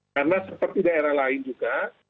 karena seperti daerah lain juga